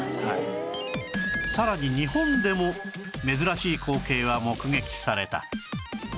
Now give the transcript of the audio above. さらに日本でも珍しい光景は目撃された